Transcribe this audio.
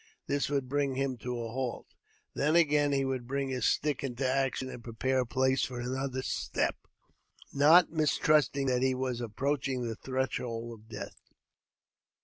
This would bring him to a halt. Then again he would bring his stick into action, and prepare a place for another step, not mistrusting that he was approaching the threshold of death.